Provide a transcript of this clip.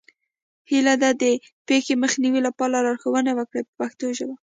هیله ده د پېښې مخنیوي لپاره لارښوونه وکړئ په پښتو ژبه.